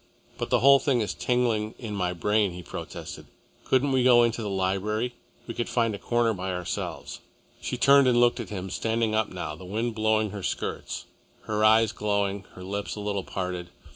"But the whole thing is tingling in my brain," he protested. "Couldn't we go into the library? We could find a corner by ourselves." She turned and looked at him, standing up now, the wind blowing her skirts, her eyes glowing, her lips a little parted.